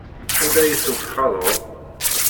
Anda ay tent-txaḍeḍ?